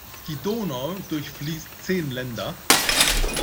Die Donau durchfließt zehn Länder.